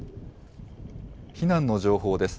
避難の情報です。